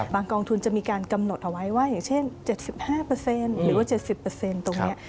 กองทุนจะมีการกำหนดเอาไว้ว่าอย่างเช่น๗๕หรือว่า๗๐ตรงนี้